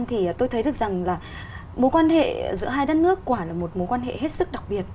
thì tôi thấy được rằng là mối quan hệ giữa hai đất nước quả là một mối quan hệ hết sức đặc biệt